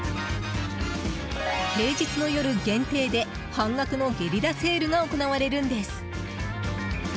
平日の夜限定で半額のゲリラセールが行われるんです。